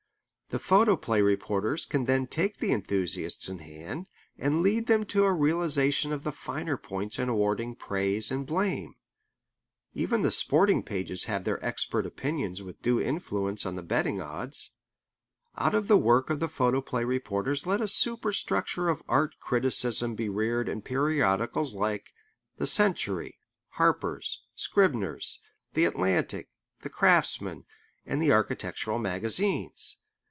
The photoplay reporters can then take the enthusiasts in hand and lead them to a realization of the finer points in awarding praise and blame. Even the sporting pages have their expert opinions with due influence on the betting odds. Out of the work of the photoplay reporters let a superstructure of art criticism be reared in periodicals like The Century, Harper's, Scribner's, The Atlantic, The Craftsman, and the architectural magazines.